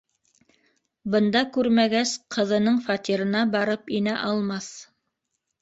Бында күрмәгәс, ҡыҙының фатирына барып инә алмаҫ.